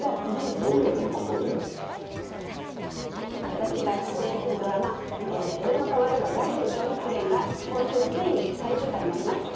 私が出演するドラマ『俺の可愛いはもうすぐ消費期限！？』が今週ついに最終回になります。